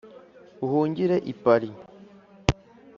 uhungire i paris